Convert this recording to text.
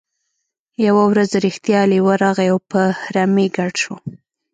یوه ورځ رښتیا لیوه راغی او په رمې ګډ شو.